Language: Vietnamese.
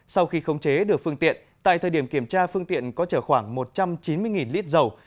sau khi khống chế được phương tiện tại thời điểm kiểm tra phương tiện có chở khoảng một trăm chín mươi lít dầu